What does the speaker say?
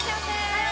はい！